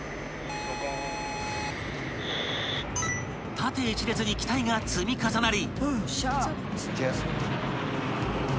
［縦一列に機体が積み重なり］